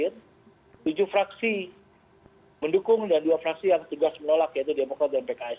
di detik detik terakhir tujuh fraksi mendukung dan dua fraksi yang tugas menolak yaitu demokrat dan pks